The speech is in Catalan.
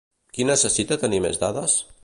Qui necessita tenir més dades?